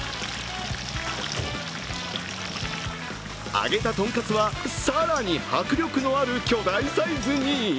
揚げたとんかつは更に迫力のある巨大サイズに。